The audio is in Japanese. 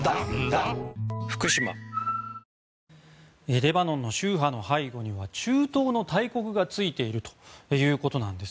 レバノンの宗派の背後に中東の大国がついているということなんです。